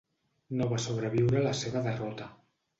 No va sobreviure a la seva derrota.